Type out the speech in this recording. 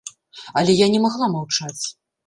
Але я не магла маўчаць.